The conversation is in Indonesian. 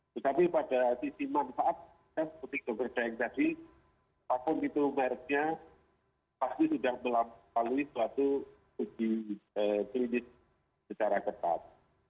tetapi pada sisi manfaat seperti dokter yang tadi apun itu merknya pasti sudah melalui suatu uji kredit secara ketat